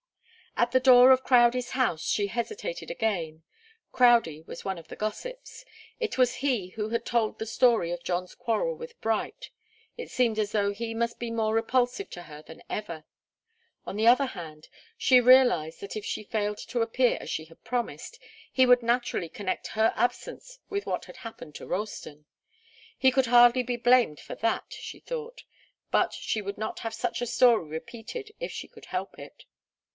At the door of Crowdie's house, she hesitated again. Crowdie was one of the gossips. It was he who had told the story of John's quarrel with Bright. It seemed as though he must be more repulsive to her than ever. On the other hand, she realized that if she failed to appear as she had promised, he would naturally connect her absence with what had happened to Ralston. He could hardly be blamed for that, she thought, but she would not have such a story repeated if she could help it.